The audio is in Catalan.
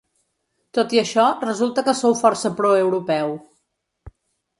Tot i això, resulta que sou força pro-europeu.